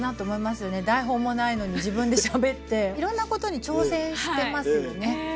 台本もないのに自分でしゃべっていろんなことに挑戦してますよね。